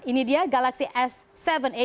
ini dia galaxy s tujuh delapan